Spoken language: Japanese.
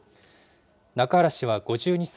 中原氏は５２歳。